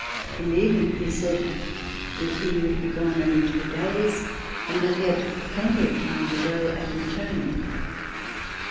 In leaving he said that he would be gone only two days and that he had plenty of time to go and return.